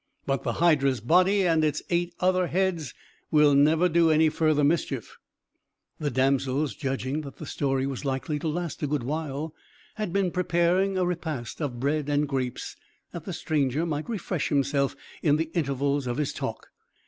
But the hydra's body, and its eight other heads, will never do any further mischief." The damsels, judging that the story was likely to last a good while, had been preparing a repast of bread and grapes, that the stranger might refresh himself in the intervals of his talk.